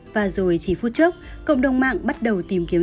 và rồi chỉ phút trước cộng đồng mạng bắt đầu tìm kiếm